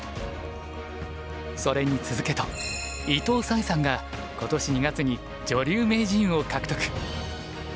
それに続けと伊藤沙恵さんが今年２月に女流名人を獲得。